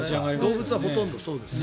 動物はほとんどそうですね。